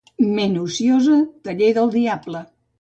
Ment ociosa, taller del diable.